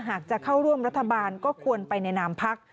หากจะเข้าร่วมรัฐบาลก็ควรไปในนามพัก